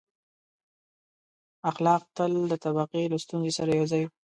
• اخلاق تل د طبقې له ستونزې سره یو ځای وو.